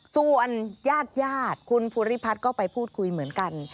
ส่วนญาติคุณภูริพัฒน์ก็ไปพูดคุยเหมือนกัน